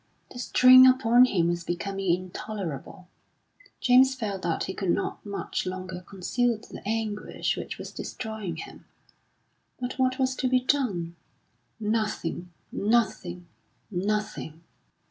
The strain upon him was becoming intolerable. James felt that he could not much longer conceal the anguish which was destroying him. But what was to be done? Nothing! Nothing! Nothing!